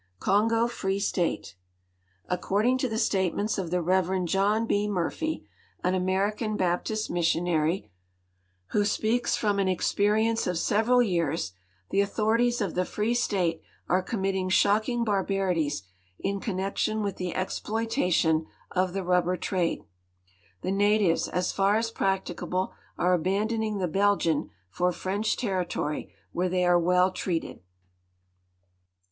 Kongo Free State. According to the statements of the Rev. John B. 5Iurphy, an American Baptist missionary, who speaks from an experience of several years, the authorities of the Free State are committing shock ing barbarities in connection with the exploitation of the rubber trade. Tlie natives, as fer as practicable, are abandoning the Belgian for French territory, where they are well treated.